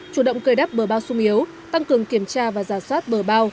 chủ động cười đắp bờ bao sung yếu tăng cường kiểm tra và giả soát bờ bao